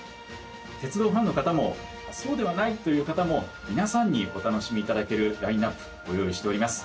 鉄道ファンの方もそうではないという方も皆さんにお楽しみいただけるラインナップご用意しております。